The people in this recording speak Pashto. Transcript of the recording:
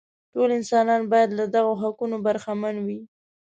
ټول انسانان باید له دغو حقونو برخمن وي.